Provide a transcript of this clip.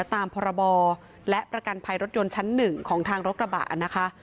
ตามพรบและประกันภัยรถยนต์ชั้น๑ของทางรถกระบะนะคะ